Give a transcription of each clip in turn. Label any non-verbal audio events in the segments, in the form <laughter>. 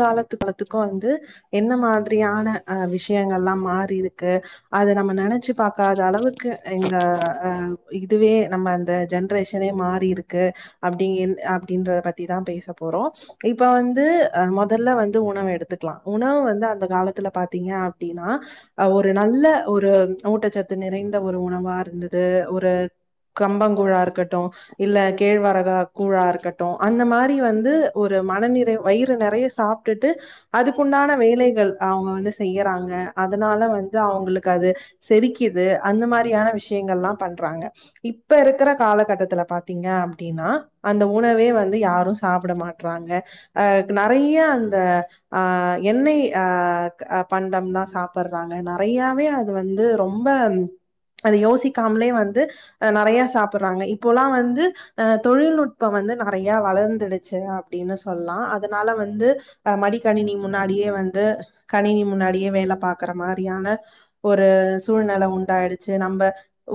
காலத்து-காலத்துக்கும வந்து என்ன மாதிரியான ஆ விஷ் விஷயங்கள்லா மாறி இருக்கு அத நம்ம நெனச்சு பாக்காத அளவுக்கு இந்த அ இதுவே நம்ம அந்த ஜென்ரேஷனே மாறி இருக்கு அப்டிங்க-அப்டின்றத பத்திதா பேசப் போறோ இப்ப வந்து ஆ மொதல்ல வந்து உணவு எடுத்துக்லா உணவு வந்து அந்த காலத்துல பாத்தீங்க அப்டின்னா ஆ ஒரு நல்ல ஒரு ஊட்டச்சத்து நிறைந்த ஒரு உணவா இருந்தது ஒரு கம்பங்கூழா இருக்கட்டு இல்ல கேழ்வரகா கூழா இருக்கட்டு அந்த மாரி வந்து ஒரு மனநிறை வயிறு <unintelligible> நெறைய சாப்ட்டுட்டு அதுக்குண்டான வேலைகள் அவுங்க வந்து செய்யறாங்க அதனால வந்து அவுங்களுக்கு அது செரிக்குது அந்த மாரியான விஷயங்கள்லா பண்றாங்க இப்ப இருக்கிற காலகட்டத்துல பாத்தீங்க அப்டின்னா அந்த உணவே வந்து யாரும் சாப்பிட மாட்றாங்க ஆ நெறைய அந்த ஆ எண்ணெய் ஆ க பண்டம்தா சாப்பட்றாங்க நெறையாவே அது வந்து ரொம்ப அது யோசிக்காமலே வந்து அ நெறைய சாப்பட்றாங்க இப்போல்லா வந்து ஆ தொழில்நுட்பம் வந்து நெறைய வளந்துடுச்சு அப்டின்னு சொல்லா அதனால வந்து அ மடிக்கணினி முன்னாடியே வந்து கணினி முன்னாடியே வேல பாக்குற மாரியான ஒரு சூழ்நில உண் இதாயிடுச்சு நம்ப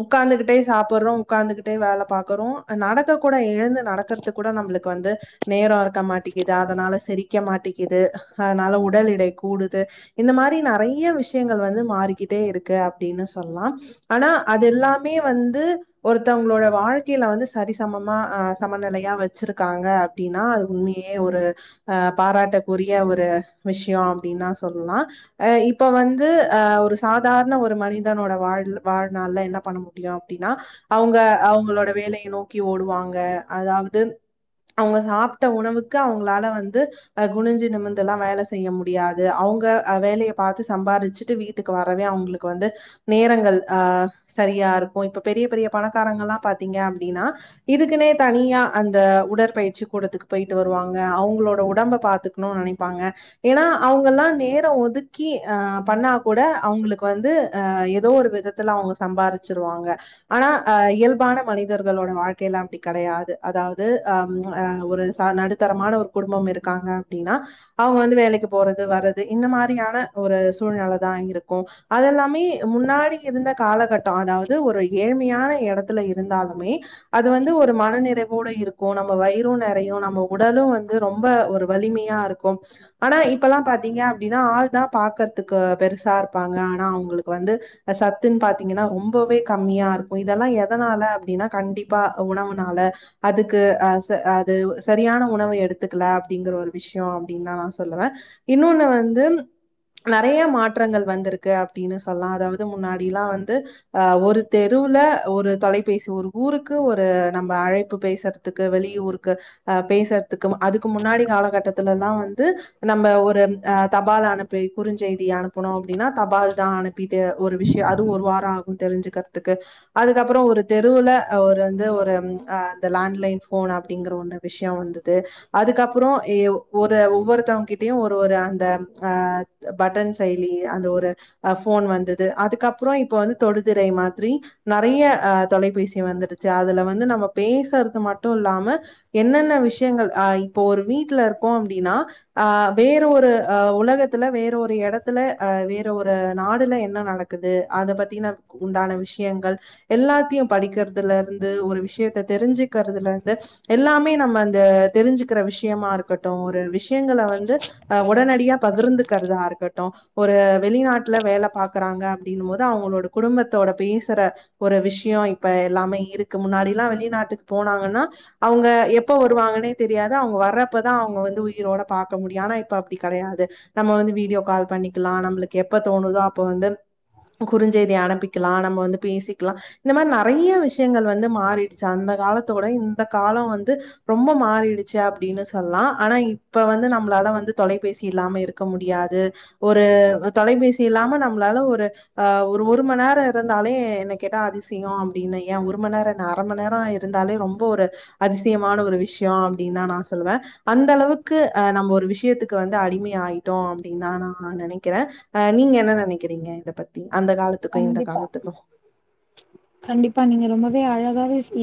உக்காந்துக்கிட்டே சாப்பட்றோ உக்காந்துகிட்டே வேல பாக்கறோ நடக்கக் கூட எழுந்து நடக்கறதுக்கு கூட நம்ளுக் க்கு வந்து நேரோ இருக்க மாட்டேங்கிது து அதனால செரிக்க மாட்டேக்குது அதனால உடல் எடை கூடுது இந்த மாரி நெறைய விஷயங்கள் வந்து மாறிக்கிட்டே இருக்கு அப்டின்னு சொ சொல்லலா ஆனா அது எல்லாமே வந்து ஒருத்தவங்களோட வாழ்க்கையில வந்து சரிசமமா ஆ சமநிலையா வச்சிருக்காங்க அப்டின்னா அது உண்மை <unintelligible> ஒரு ஆ பாராட்டக்குரிய ஒரு விஷயோ அப்டின்னுதா சொல்லலா ஆ இப்ப வந்து ஆ ஒரு சாதாரண ஒரு மனிதனோட வாழ்-வாழ்நாள்ல என்ன பண்ண முடியு அப்டின்னா அவங்க அவங்களோட வேலைய நோக்கி ஓடுவாங்க அதாவது அவுங்க சாப்ட்ட உணவுக் க்க அவுங்களால வந்து ஆ குனிஞ்சு நிமிந்து எல்லா வேல செய்ய முடியாது அவுங் வ ஆ வேலைய பாத்து சம்பாரிச்சுட்டு வீட்டுக்கு வரவே அவுங்களுக்கு வந்து நேரங்கள் ஆ சரியா இருக் இப்போ இப்ப பெரிய-பெரிய பணக்காரங்கல்லா பாத்தீங்க அப்டின்னா இதுக்குனே தனியா அந்த உடற்பயிற்சி கூடத்துக்கு போய் ட்டு வருவாங்க அவுங்களோட உடம்ப பாத்துக்கணுன்னு நெனைப்பாங்க ஏன்னா அவுங்கெல்லா நேரோ ஒதுக்கி ஆ பண்ணா கூட அவுங்களுக்கு வந்து ஆ ஏதோ ஒரு விதத்துல அவங்க சம்பாரிச்சிருவாங்க ஆனா ஆ இயல்பான மனிதர்களோட வாழ்க்கைல அப்டி கெடையாது அதாவது அம் ஆ ஒரு ப்ப நடுத்தரமான ஒரு குடும்பம் இருக்காங்க அப்டின்னா அவுங்க வந்து வேலைக்கு போறது வரது இந்த மாரியான ஒரு சூழ்நிலதா இருக்கு அதெல்லாமே முன்னாடி இருந்த காலகட்டோ அதாவது ஒரு ஏழ்மையான எடத் த்துல இருந்தாலுமே அது வந்து ஒரு மன நிறைவோட இருக்கும் நம்ம வயிறும் நெறையு நம் நம்ம உடலும் வந்து ரொம்ப ஒரு வலிமையா இருக் க்கும் ஆனா இப்பல்லா பாத்தீங்க அப்டிதா ஆள்தா பாக்கறதுக்கு பெருசா இருப்பாங்க ஆனா அவங்களுக்கு வந்து சத்துன்னு பாத்தீங்கன்னா ரொம்பவே கம்மியா இருக்கும் இதெல்லா எதனால அப்டின்னா கண்டிப்பா உணவுனால அதுக்கு ஆச அது சரியான உணவு எடுத்துக்கல அப்டிங்கிற ஒரு விஷயோ அப்டின்னுதா நான் சொல்லுவே இன்னொன்னு வந்து நெறைய மாற்றங்கள் வந்திருக்கு அப்டின்னு சொல்லலா அதாவது முன்னாடி எல்லா வந்து ஆ ஒரு தெருவுல ஒரு தொலைபேசி ஒரு ஊருக்கு ஒரு நம்ம அழைப்பு பேசுறதுக்கு வெளி ஊருக்கு ஆ பேசுறதுக்கும் அதுக்கு முன்னாடி காலகட்டத்துல எல்லா வந்து நம்ம ஒரு ஆ தபால் அனுப்பி குறுஞ்செய்தி அனுப்பனு அப்டின்னா தபால்தா அனுப்பிட்டு ஒரு விஷயோ அது ஒரு வாரம் ஆகும் தெரிஞ்சுக்கிறதுக்கு அதுக்கப்புறோ ஒரு தெருவுல ஒரு வந்து ஒரு ஆ இந்த லேண்ட்லைன் போன் அப்டிங்கற ஒன் விஷயோ வந்தது அதுக்கப்புறோ ஏ ஒரு ஒவ்வொருத்தவங்க கிட்டயும் ஒரு ஒரு அந்த ஆ இத் பட்டன் செயலி அந்த ஒரு ஆ ஃபோன் வந்தது அதுக்கப்றோ இப்ப வந்து தொடுதிரை மாதிரி நெறைய ஆ தொலைபேசி வந்துடுச்சு அதுல வந்து நம்ம பேசுறது மட்டு இல்லாம என்னென்ன விஷயங்கள் ஆ இப்போ ஒரு வீட்ல இருக்கோ அப்டின்னா ஆ வேற ஒரு ஆ உலகத்துல வேற ஒரு எடத்துல ஆ வேற ஒரு நாடுல என்ன நடக்குது அத பத்தின உண்டான விஷயங்கள் எல்லாத்தையு படிக்கறதுல இருந்து ஒரு விஷயத்த தெரிஞ்சுக்கிறதுல இருந்து எல்லாமே நம்ம அந்த தெரிஞ்சுக்கிற விஷயமா இருக்கட்டு ஒரு விஷ் விஷயங்கள வந்து ஆ உடனடியா பகிர்ந்துக்கிறதா இருக்கட்டு ஒரு வெளிநாட்ல வேல பாக்குறாங்க அப்டினும்போது அவங்களோட குடும்பத்தோட பேசுற ஒரு விஷயோ இப்ப எல்லாமே இதுக்கு முன்னாடி எல்லா வெளிநாட்டுக்கு போனாங்கன்னா அவங்க எப்ப வருவாங்கன்னே தெரியாது அவங்க வர்றப்பதா அவங்க வந்து உயிரோட பாக்க முடியு ஆனா இப்ப அப்டி கெடையாது நம்ம வந்து வீடியோ கால் பண்ணிக்கலா நம்மளுக்கு எப்ப தோணுதோ அப்ப வந்து குறுஞ்செய்தி அனுப்பிக்கலா நம்ம வந்து பேசிக்கலா இந்த மாரி நெறைய விஷயங்கள் வந்து மாறிடுச்சு அந்த காலத்த விட இந் அந்த காலோ வந்து ரொம்ப மாறிடுச்சு அப்டின்னு சொல்லலா ஆனா இப்ப வந்து நம்மளால வந்து தொலைபேசி இல்லாம இருக்க முடியாது ஒரு தொலைபேசி இல்லாம நம்மளால ஒரு ஆ ஒரு மணி நேரோ இருந்தாலே என்ன கேட்டா அதிசயோ அப்டின்னு ஏன் ஒரு மணி நேரோ அரை மணி நேரோ இருந்தாலே ரொம்ப ஒரு அதிசயமான ஒரு விஷயோ அப்டின்னுதா நா சொல்லுவே அந்த அளவுக்கு ஆ நம்ம ஒரு விஷயத்துக்கு வந்து அடிமை ஆயிட்டோ அப்டின்னுதா நா நெனைக்கிறே ஆ நீங்க என்ன நெனைக்கிறீங்க இதப் பத்தி அந்த காலத்துக்கும் இந்த கண்டிப்பா காலத்துக்கும்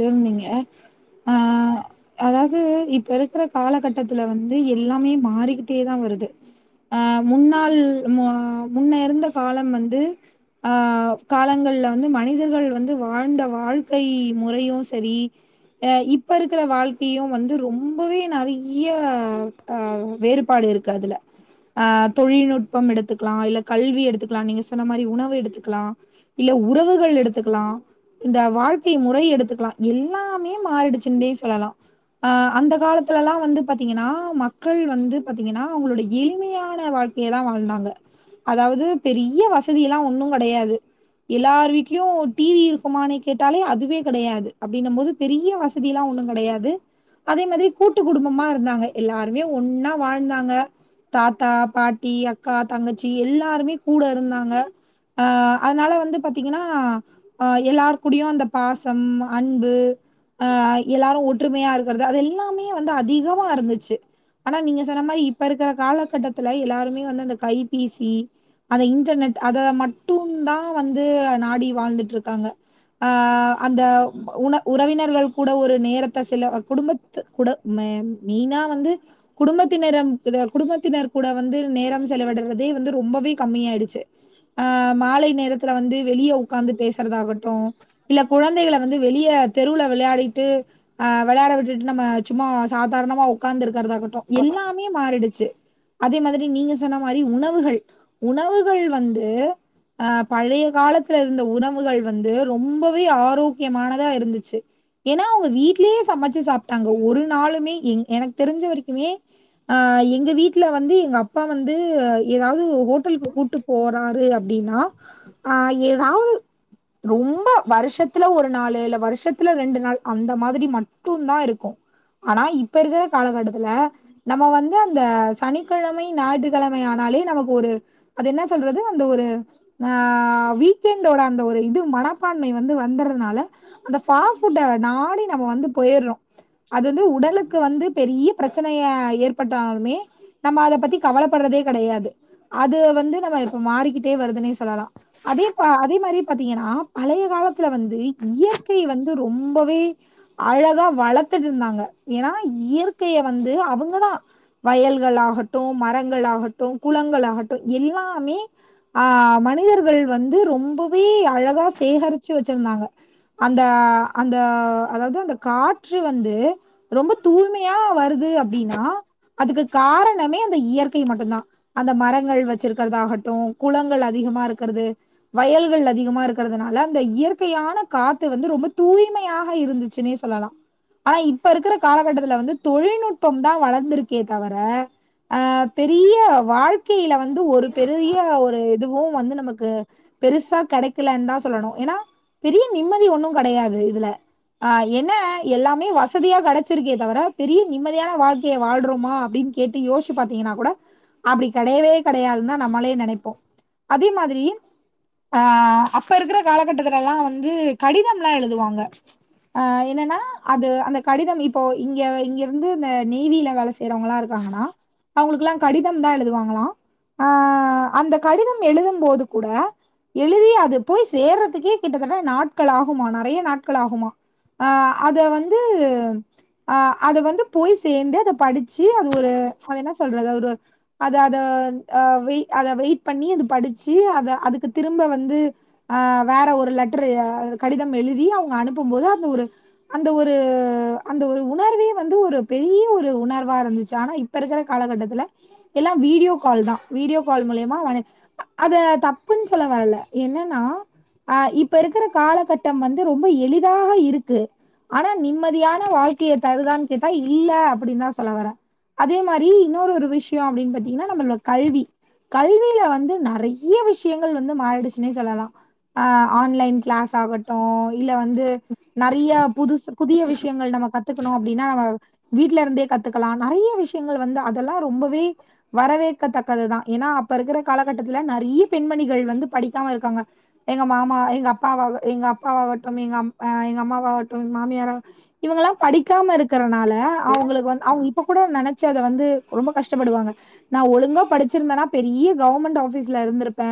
இருந்தீங்க ஆ அதாவது இப்ப இருக்கிற காலகட்டத்துல வந்து எல்லாமே மாறிக்கிட்டேதா வருது ஆ முன்னாள் மா முன்ன இருந்த காலம் வந்து ஆ காலங்கள்ல வந்து மனிதர்கள் வந்து வாழ்ந்த வாழ்க்கை முறையு சரி ஆ இப்ப இருக்கிற வாழ்க்கையு வந்து ரொம்பவே நெறைய ஆ வேறுபாடு இருக்கு அதுல ஆ தொழில்நுட்பம் எடுத்துக்கலா இல்ல கல்வி எடுத்துக்கலா நீங்க சொன்ன மாரி உணவு எடுத்துக்கலா இல்ல உறவுகள் எடுத்துக்கலா இந்த வாழ்க்கை முறை எடுத்துக்கலா எல்லாமே மாறிடுச்சுந்தே சொல்லலா ஆ அந்த காலத்துல எல்லாம் வந்து பாத்தீங்கன்னா மக்கள் வந்து பாத்தீங்கன்னா அவங்களோட எளிமையான வாழ்க்கையதா வாழ்ந்தாங்க அதாவது பெரிய வசதி எல்லா ஒண்ணுங் கெடையாது எல்லார் வீட்லயு டிவி இருக்குமான்னு கேட்டாலே அதுவே கெடையாது அப்டின்னும் போது பெரிய வசதி எல்லாம் ஒண்ணுங் கெடையாது அதே மாரி கூட்டு குடும்பமா இருந்தாங்க எல்லாருமே ஒண்ணா வாழ்ந்தாங்க தாத்தா பாட்டி அக்கா தங்கச் ச்சு எல்லாருமே கூட இருந்தாங்க ஆ அதனால வந்து பாத்தீங்கன்னா ஆ எல்லார்கூடயு அந்த பாசம் அன்பு ஆ எல்லாரு ஒற்றுமையா இருக்கிறது அது எல்லாமே வந்து அதிகமா இருந்துச்சு ஆனா நீங்க சொன்ன மாரி இப்ப இருக்கிற காலகட்டத்துல எல்லாருமே வந்து அந்த கை பி சி அத இன்டர்நெட் அத மட்டும்தா வந்து நாடி வாழ்ந்துட்ருக்காங்க ஆ அந்த உண உறவினர்கள் கூட ஒரு நேரத்த செல குடும்பத்து கூட மெ மெயினா வந்து குடும்பத்தினர இத குடும்பத்தினர் கூட வந்து நேரம் செலவிட அதே வந்து ரொம்பவே கம்மியாயிடுச்சு ஆ மாலை நேரத்துல வந்து வெளிய உக்காந்து பேசுறதாகட் ட்டும் இல்ல குழந்தைகள வந்து வெளிய இல்ல தெருவுல வெளையாடிட்டு ஆ வெளையாட விட்டுட்டு நம்ம சும்மா சாதாரணமா உக்காந்துருக் க்றதாகட்டு எல்லாமே மாறிடுச்சு அதே மாதிரி நீங்க சொன்ன மாரி உணவுகள் உணவுகள் வந்து ஆ பழைய காலத்துல இருந்த உணவுகள் வந்து ரொம்பவே ஆரோக்கியமானதா இருந்துச்சு ஏன்னா அவங்க வீட்லயே சமைச்சு சாப்ட்டாங்க ஒரு நாளுமே எங் எனக்கு தெரிஞ்ச வரைக்குமே ஆ எங்க வீட்ல வந்து எங்க அப்பா வந்து ந்து ஏதாவது ஹோட்டலுக்கு கூட்டு போறாரு அப்டின்னா ஆ ஏதாவது ரொம்ப வருஷத்துல ஒரு நாளு இல்ல வருஷத்துல ரெண்டு நாள் அந்த மாதிரி மட்டும்தா இருக்கும் ஆனா இப்ப இருக்கிற காலகட்டத்துல நம்ம வந்து அந்த சனிக்கிழமை ஞாயிற்று கிழமையானலே நமக்கு ஒரு அது என்ன சொல்றது அந்த ஒரு ஆ வீக் என்டோட அந்த ஒரு இது மனப்பான்மை வந்து வந்தர்றனால அந்த ஃபாஸ்ட்ஃபுட்ட நாடி நம்ம வந்து போயர்றோம் அது வந்து உடலுக்கு வந்து பெரிய பிரச்சனைய ஏற்பட்டாலுமே நம்ம அத பத்தி கவலப் படுறதே கெடையாது அது வந்து நம்ம இப்ப மாறிக்கிட்டே வருதுன்னே சொல்லலா அதே போ அதே மாரி பாத்தீங்கன்னா பழைய காலத் த்துல வந்து இயற்கை வந்து ரொம்பவே அழகா வளத் <unintelligible> இருந்தாங்க ஏன்னா இயற்கைய வந்து அவங்கதா வயல்கள் ஆகட்டும் மர ங்களாகட்டு குளங்கள் ஆகட்டு எல்லாமே ஆ மனிதர்கள் வந்து ரொம்பவே அழகா சேகரிச்சு வச்சிருந்தாங்க அந்த அந்த அதாவது அந்த காற்று வந்து ரொம்ப தூய்மையா வருது அப்டின்னா அதுக்கு காரணமே ந்த இயற் க்கை மட்டுந்தா அந்த மரங்கள் வச்சிருக்கிறதாகட்டு குளங்கள் அதிகமா இருக்கிறது வயல்கள் அதிகமா இருக்கிறதுனால அந்த இயற்கையான காத்து வந்து ரொம்ப தூய்மையாக இருந்துச்சுனே சொல்லலா ஆனா இப்ப இருக்கிற காலகட்டத்துல வந்து தொழில்நுட்பம்தா வளந்திருக்கே தவிர ஆ பெரிய வாழ்க்கையில வந்து ஒரு பெரிய ஒரு இதுவு வந்து நமக் க்கு பெருசா கெடைக்கலன்னுதா சொல்லணு ஏன்னா பெரிய நிம்மதி ஒண்ணும் கெடையாது இதுல ஆ என்ன எல்லாமே வசதியா கெடைச்சிருக்கே தவிர பெரிய நிம்மதியான வாழ்க்கைய வாழ்றோமா அப்டின்னு கேட்டு யோசிச்சி பாத்தீங்கன்னா கூட அப்டி கெடையவே கெடையாதுன்னுதா நம்மளே நெனைப்போ அதே மாதிரி ஆ அப்ப இருக்கிற காலகட்டத்துலல்லா வந்து கடிதம்லா எழுதுவாங்க ஆ என்னன்னா அது அந்த கடிதம் இப்போ இங்க இங்கிருந்து இந்த நேவில வேல செய் செய்றவங்களா இருக்காங்கன்னா அவங்களுக்கெலா கடிதம்தா எழுதுவாங்களா ஆ அந்த கடிதம் எழுதும்போது கூட எழுதி அது போய் சேர்றதுக்கே கிட்டத்தட்ட நாட்கள் ஆகுமா நெறைய நாட்கள் ஆகுமா ஆ அத வந்து ஆ அத வந்து போய் சேந்து அத படிச்சு அது ஒரு அது என்ன சொல்றது ஒரு அத அத ஆ வெய் அத வெயிட் பண்ணி அது படிச்சு அத அதுக்கு திரும்ப வந்து ஆ வேற ஒரு லெட்டரு ஆ கடிதம் எழுதி அவங்க அனுப்பும் போது அந்த ஒரு அந்த ஒரு அந்த ஒரு உணர்வே வந்து ஒரு பெரிய ஒரு உணர்வா இருந்துச்சு ஆனா இப்ப இருக்கிற காலகட்டத்துல எல்லா வீடியோ கால்தா வீடியோ கால் மூலியமா வள அத தப்புன்னு சொல்ல வரல என்னன்னா ஆ இப்ப இருக்கிற காலகட்டம் வந்து ரொம்ப எளிதாக இருக்கு ஆனா நிம்மதியான வாழ்க்கைய தருதான்னு கேட்டா இல்ல அப்டின்னுதா சொல்ல வரே அதே மாரி இன்னொரு ஒரு விஷ் <unintelligible> அப்டின்னு பாத்தீங்கன்னா நம்மளோட கல்வி கல்வில வந்து நெறைய விஷயங்கள் வந்து மாறிடுச்சுன்னே சொல்லலா ஆ ஆன்லைன் கிளாஸ் ஆகட்டு இல்ல வந்து நெறைய புதுசு புதிய விஷயங்கள் நம்ம கத்துக்கணு அப்டின்னா வீட்ல இருந்தே கத்துக்கலா நெறைய விஷயங்கள் வந்து அதெல்லா ரொம்ப வீ வரவேக்கத்தக்கதுதா ஏன்னா அப்ப இருக்கிற காலகட்டத்துல நெறைய பெண்மணிகள் வந்து படிக்காம இருக்காங்க எங்க மாமா எங்க அப்பாவாக எங்க அப்பாவாகட்டு ஆ எங்க அம்மா எங்க அம்மாவாகட்டு மாமியாரா இவங்கல்லா படிக்காம இருக்கறனால அவங்களுக்கு வந் அவங்க இப்ப கூட நெனைச்சு அத வந்து ரொம்ப கஷ்டப்படுவாங்க நா ஒழுங்கா படிச்சிருந்தன்னா பெரிய கவர்மெண்ட் ஆஃபீஸ்ல இருந்திருப்பே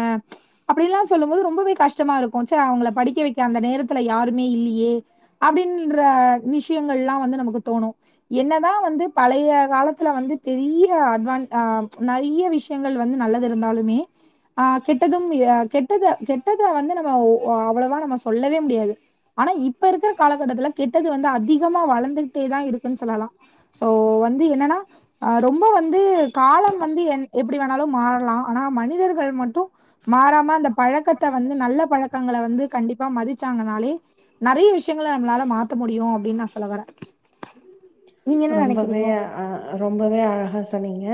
அப்டின்ல்லா சொல்லும் போது ரொம்பவே கஷ்டமா இருக்கும் ச்சே அவங்கள படிக்க வைக்க அந்த நேரத்துல யாருமே இல்லியே அப்டின்ற விஷயங்கள்லா வந்து நமக்கு தோணு என்னதா வந்து பழைய காலத்துல வந்து பெரிய <unintelligible> அதான் ஆ நெறைய விஷயங்கள் வந்து நல்லது இருந்தாலுமே ஆ கெட்டதும் ஆ கெட்டத கெட்டத வந்து நம்ம ஒ அவ்வளவா நம்ம சொல்லவே முடியாது ஆனா இப்ப இருக்கிற காலகட்டத்துல கெட்டது வந்து அதிகமா வளந்துகிட்டேதா இருக்குன்னு சொல்லலா சோ வந்து என்னன்னா ஆ ரொம்ப் ரொம்ப வந்து காலம் வந்து என் எப்டி வேண்ணாலு மாறலா ஆனா மனிதர்கள் மட் த்து மாறாம அந்த பழக்கத்த வந்து நல்ல பழக்கங்கள வந்து கண்டிப்பா மதிச்சாங்கனாலே நெறைய விஷயங்கள நம்மளால மாத்த முடியு அப்டின்னு நா சொல்ல வரே ரொம்பவே அ ஆ ரொம்பவே ஆ ஆ சொன்னீங்க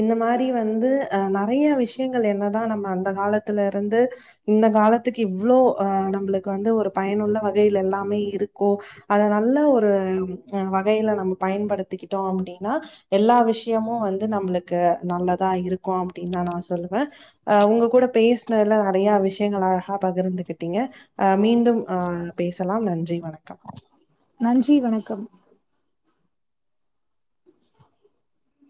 இந்த மாரி வந்து ஆ நெறைய விஷயங்கள் என்னதா நம்ம அந்த காலத்துல இருந்து இந்த காலத்துக்கு இவ்ளோ ஆ நம்பளுக்கு வந்து ஒரு பயனுள்ள வகையில் எல்லாமே இருக்கோ அத நல்ல ஒரு ஆ வகையில நமக் பயன்படுத்திக்கிட்டோ அப்டின்னா எல்லா விஷயமு வந்து நம்மளுக்கு நல்லதா இருக்கு அப்டின்னுதா நா சொல்லுவே ஆ உங்க கூட பேஸ் ந்ததுல நெறையா விஷயங்கள் அழகா பகிர்ந்துக்கிட்டீங்க ஆ மீண்டும் ஆ் பேசலாம் நன்றி வ நன்றி வணக்கம்